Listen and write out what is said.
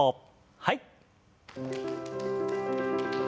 はい。